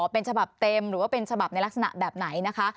เป็นฉบับเต็มหรือว่าเป็นฉบับในลักษณะแบบไหนนะคะ